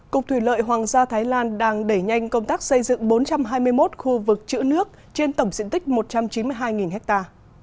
cục thủy lợi hoàng gia thái lan đang đẩy nhanh công tác xây dựng bốn trăm hai mươi một khu vực chữ nước trên tổng diện tích một trăm chín mươi hai ha